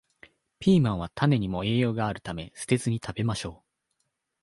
ピーマンは種にも栄養があるため、捨てずに食べましょう